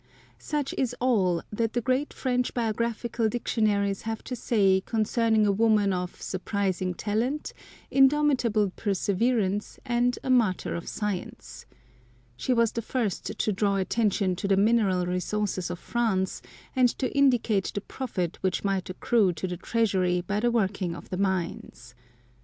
Such is all that the great French bio graphical dictionaries have to say concerning a woman of surprising talent, indomitable perseverance, and a martyr of science. She was the first to draw attention to the mineral resources of France, and to indicate the profit which might accrue to the treasury by the working of the mines.